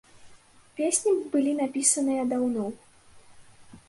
Песні былі напісаныя даўно.